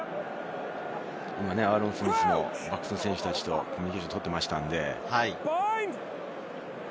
今、アーロン・スミスもバックスの選手たちとコミュニケーションをとっていましたので。